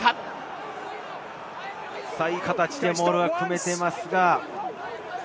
いい形でモールが組めています。